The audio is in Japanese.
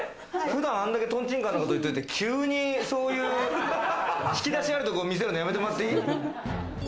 普段、あんだけトンチンカンなこと言ってて、急にそういう引き出しあるとこ見せるの、やめてもらっていい？